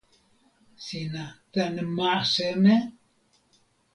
sina tan ma seme?